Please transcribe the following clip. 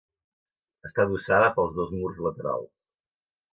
Està adossada pels dos murs laterals.